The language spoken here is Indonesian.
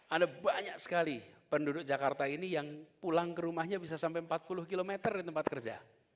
ada banyak sekali penduduk jakarta ini yang pulang ke rumahnya bisa sampai empat puluh km dari tempat kerja